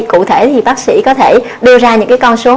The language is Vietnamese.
cụ thể thì bác sĩ có thể đưa ra những con số